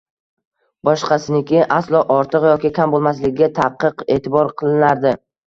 boshqasiniki aslo ortiq yoki kam bo'lmasligiga qattiq e'tibor qilinardi